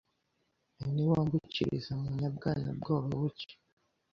Niwambukiriza mu Nyabwana Bwobabuke